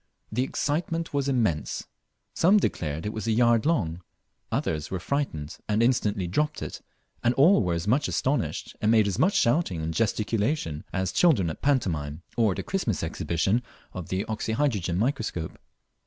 The excitement was immense. Some declared it was a yard long; others were frightened, and instantly dropped it, and all were as much astonished, and made as much shouting and gesticulation, as children at a pantomime, or at a Christmas exhibition of the oxyhydrogen microscope.